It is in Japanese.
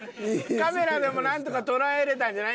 カメラでもなんとか捉えられたんじゃない？